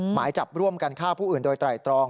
หมายจับร่วมกันฆ่าผู้อื่นโดยไตรตรอง